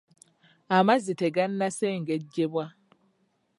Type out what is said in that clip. Amazzi tegannasengejjebwa.